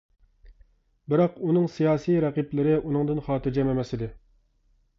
بىراق ئۇنىڭ سىياسىي رەقىبلىرى ئۇنىڭدىن خاتىرجەم ئەمەس ئىدى.